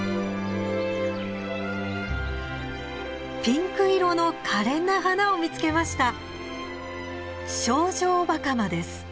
ピンク色の可憐な花を見つけました。